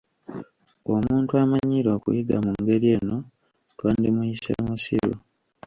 Omuntu amanyiira okuyiga mu ngeri eno twandimuyise mussiru.